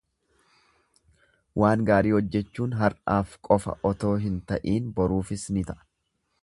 Waan gaarii hojjechuun har'aaf qofa otoo hin ta'iin boruufis ni ta'a.